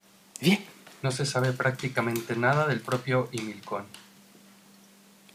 No se sabe prácticamente nada del propio Himilcón.